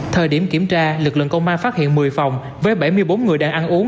thời điểm kiểm tra lực lượng công an phát hiện một mươi phòng với bảy mươi bốn người đang ăn uống